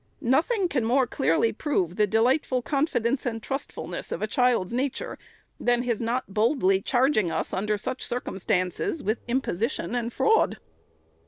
Nothing can more clearly prove the delightful confidence and trustfulness of a child's nature, than his not boldly char ging us, under such circumstances, with imposition and fraud.